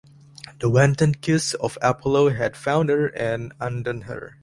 The wanton kiss of Apollo had found her and undone her.